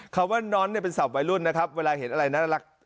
คำว่าน้อนเนี่ยเป็นศัพท์วัยรุ่นนะครับเวลาเห็นอะไรน่ารัก